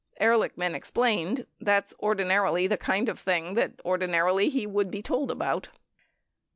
Ehrlichman explained : "That's ordinarily the kind of thing that ordi narily he would be told about."